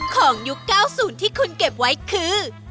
ยุค๙๐ที่คุณเก็บไว้คือ